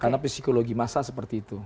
karena psikologi massa seperti itu